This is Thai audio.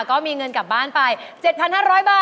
ก็มีเงินกลับบ้านไป๗๕๐๐บาท